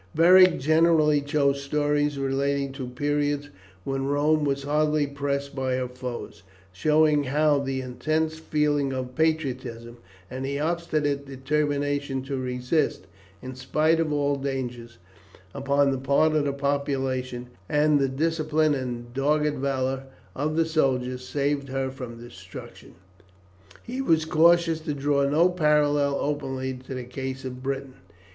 Beric generally chose stories relating to periods when Rome was hardly pressed by her foes, showing how the intense feeling of patriotism, and the obstinate determination to resist, in spite of all dangers, upon the part of the population, and the discipline and dogged valour of the soldiers, saved her from destruction. He was cautious to draw no parallel openly to the case of Britain.